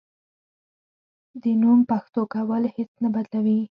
د نوم پښتو کول هیڅ نه بدلوي.